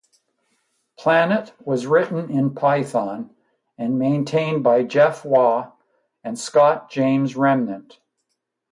Planet was written in Python and maintained by Jeff Waugh and Scott James Remnant.